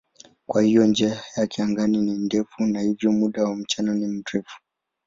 Kwa hiyo njia yake angani ni ndefu na hivyo muda wa mchana ni mrefu.